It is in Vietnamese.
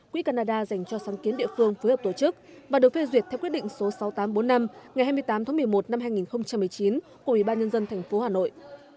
quỹ canada dành cho sáng kiến địa phương phối hợp tổ chức và được phê duyệt theo quyết định số sáu nghìn tám trăm bốn mươi năm ngày hai mươi tám tháng một mươi một năm hai nghìn một mươi chín của ủy ban nhân dân tp hà nội